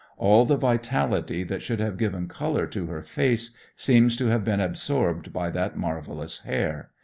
All the vitality that should have given color to her face seems to have been absorbed by that marvelous hair.